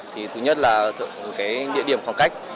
thứ nhất là địa điểm khoảng cách